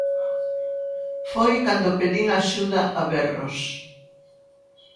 Foi cando pedín axuda a berros.